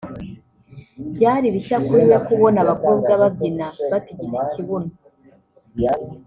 Byari bishya kuri we kubona abakobwa babyina batigisa ikibuno